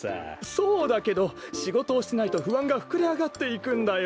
そうだけどしごとをしないとふあんがふくれあがっていくんだよ。